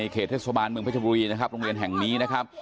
เทศบารณ์เมืองพฤจจรวีนะครับ